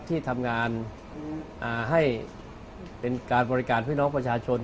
ที่ทำงานให้เป็นการบริการพี่น้องประชาชน